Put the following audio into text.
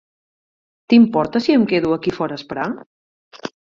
T'importa si em quedo aquí fora a esperar?